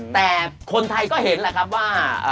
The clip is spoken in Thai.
แต่คนไทยก็เห็นแหละครับว่า